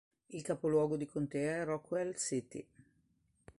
Il capoluogo di contea è Rockwell City.